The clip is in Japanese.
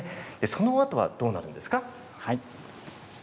そのあと、どうなるんですか。